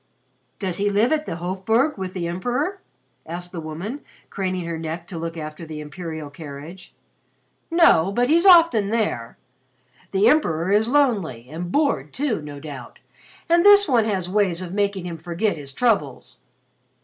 "Does he live at the Hofburg with the Emperor?" asked the woman, craning her neck to look after the imperial carriage. "No, but he's often there. The Emperor is lonely and bored too, no doubt, and this one has ways of making him forget his troubles.